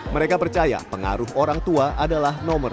mereka percaya pengaruh orang tua adalah normal